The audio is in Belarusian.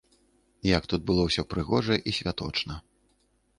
Як тут было ўсё прыгожа і святочна.